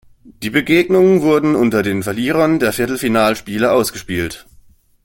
Die Begegnungen wurden unter den Verlierern der Viertelfinalspiele ausgespielt.